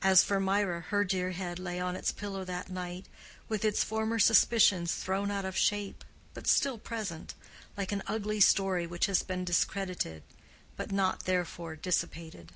As for Mirah her dear head lay on its pillow that night with its former suspicions thrown out of shape but still present, like an ugly story which had been discredited but not therefore dissipated.